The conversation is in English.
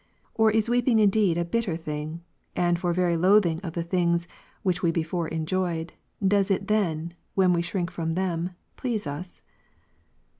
Or is weeping indeed a bitter thing, and for very loathing of the things, which we before enjoyed, does it then, when we shrink from them, please us